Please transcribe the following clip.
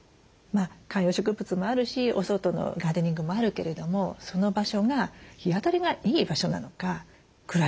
観葉植物もあるしお外のガーデニングもあるけれどもその場所が日当たりがいい場所なのか暗い場所なのか。